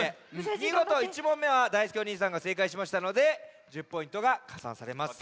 みごと１問めはだいすけお兄さんがせいかいしましたので１０ポイントがかさんされます。